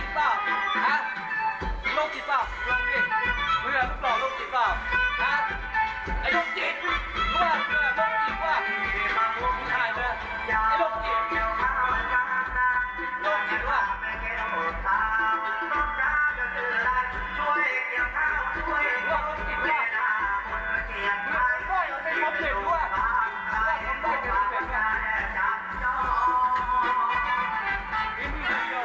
เพลงเสียงดังนอน